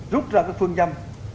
rút ra các phương dâm